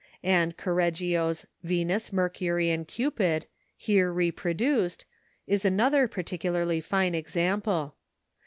And Correggio's "Venus, Mercury, and Cupid," here reproduced, is another particularly fine example.